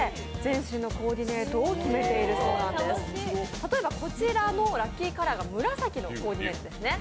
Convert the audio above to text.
例えばこちらのラッキーカラーが紫のコーディネートですね